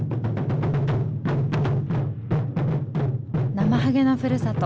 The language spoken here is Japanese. ナマハゲのふるさと